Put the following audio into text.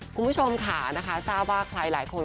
คุณผู้ชมค่ะนะคะทราบว่าใครหลายคน